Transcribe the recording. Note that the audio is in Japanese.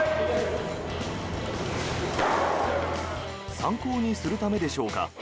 参考にするためでしょうか。